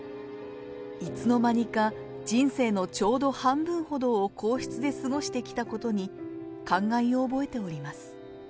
いつの間にか、人生のちょうど半分ほどを皇室で過ごしてきたことに、感慨を覚えております。